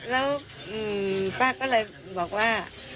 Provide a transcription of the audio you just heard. แล้วป้าก็เลยบอกว่า